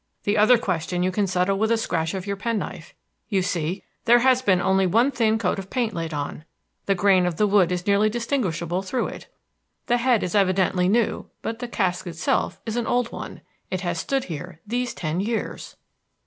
The other question you can settle with a scratch of your penknife. You see. There has been only one thin coat of paint laid on, the grain of the wood is nearly distinguishable through it. The head is evidently new; but the cask itself is an old one. It has stood here these ten years."